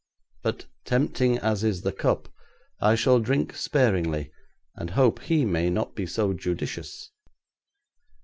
But tempting as is the cup, I shall drink sparingly, and hope he may not be so judicious.'